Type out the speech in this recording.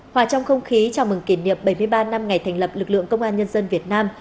hòa trong không khí chào mừng kỷ niệm bảy mươi ba năm ngày thành lập lực lượng công an nhân dân việt nam